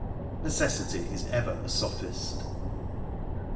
Necessity is ever a sophist.